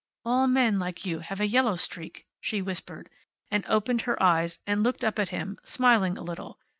"All men like you have a yellow streak," she whispered, and opened her eyes, and looked up at him, smiling a little.